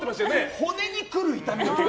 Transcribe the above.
骨に来る痛み。